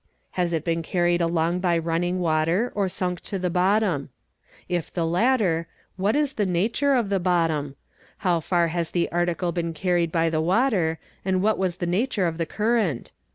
has it been carried along by running water or sunk to the bottom? if the latter, what is the nature of the bottom? how far has the article bee carried by the river and what was the nature of the current?